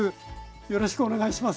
よろしくお願いします。